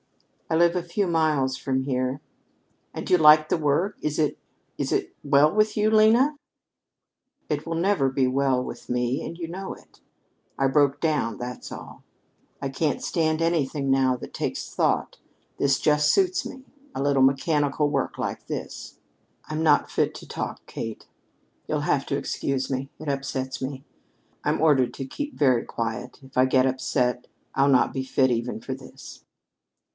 "I live a few miles from here." "And you like the work? Is it is it well with you, Lena?" "It will never be well with me, and you know it. I broke down, that's all. I can't stand anything now that takes thought. This just suits me a little mechanical work like this. I'm not fit to talk, Kate. You'll have to excuse me. It upsets me. I'm ordered to keep very quiet. If I get upset, I'll not be fit even for this."